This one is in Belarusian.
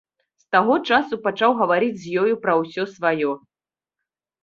З таго часу пачаў гаварыць з ёю пра ўсё сваё.